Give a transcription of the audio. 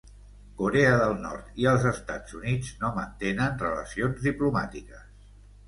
Corea del Nord i els Estats Units no mantenen relacions diplomàtiques.